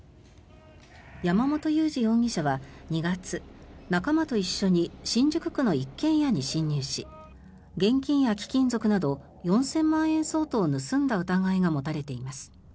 山本裕司容疑者は２月仲間と一緒に新宿区の一軒家に侵入し現金や貴金属など４０００万円相当を盗んだ疑いが持たれています。